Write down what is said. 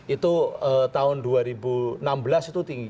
itu tahun dua ribu enam belas itu tinggi